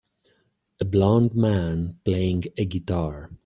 A blond man playing a guitar.